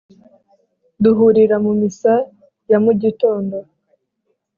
duhurira mu misa, ya mugitondo